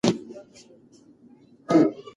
دا طریقه له هغې غوره ده.